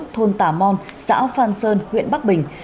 thôn tà mon xã phan sơn huyện bắc bình